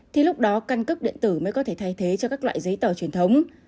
thì lúc đó căn cước điện tử mới có thể thay thế cho các loại giấy tờ truyền thống